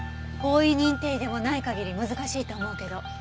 法医認定医でもない限り難しいと思うけど。